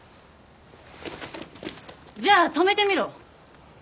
じゃあ止めてみろ。